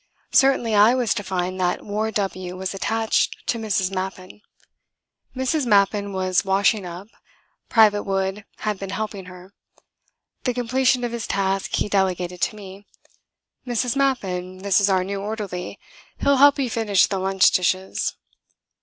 Certainly I was to find that Ward W was attached to Mrs. Mappin. Mrs. Mappin was washing up. Private Wood had been helping her. The completion of his task he delegated to me. "Mrs. Mappin, this is our new orderly. He'll help you finish the lunch dishes."